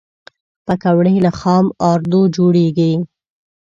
پکورې له خام آردو جوړېږي